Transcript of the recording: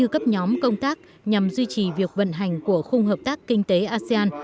cấp nhóm công tác nhằm duy trì việc vận hành của khung hợp tác kinh tế asean